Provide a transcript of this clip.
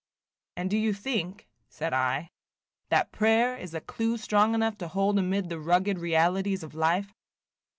"And do you think," said I, "that prayer is a clew strong enough to hold amid the rugged realities of life?"